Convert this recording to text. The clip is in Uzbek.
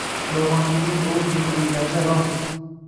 Yolg’onga yem bo’lib yemrilganda Rost